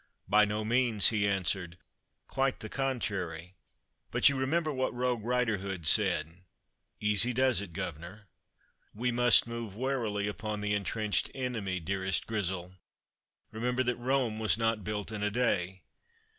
"By no means," he answered; "quite the contrary. But you remember what Rogue Riderhood said, 'Easy does it, guvner.' We must move warily upon the intrenched enemy, dearest Grizzle. Remember that Rome was not built in a day."